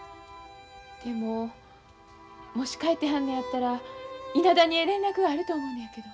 でももし帰ってはんのやったら伊那谷へ連絡があると思うのやけど。